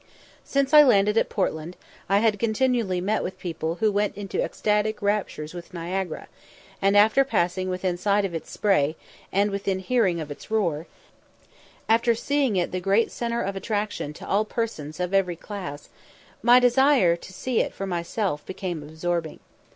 Since I landed at Portland, I had continually met with people who went into ecstatic raptures with Niagara; and after passing within sight of its spray, and within hearing of its roar after seeing it the great centre of attraction to all persons of every class my desire to see it for myself became absorbing.